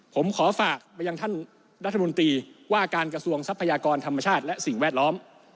ผมขอฝากไปยังท่านรัฐมนตรีว่าการกระทรวงทรัพยากรธรรมชาติและสิ่งแวดล้อม